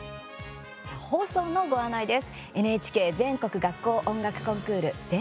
放送のご案内です。